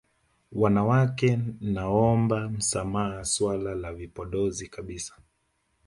Wanawake naomba msahau swala la vipodozi kabisa